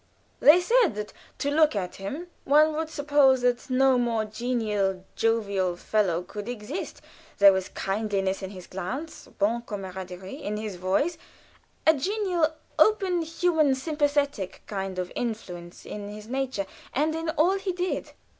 They said that to look at him one would suppose that no more genial, jovial fellow could exist there was kindliness in his glance, bon camaraderie in his voice, a genial, open, human sympathetic kind of influence in his nature, and in all he did.